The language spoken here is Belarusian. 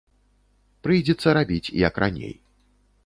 Прыйдзецца рабіць, як раней.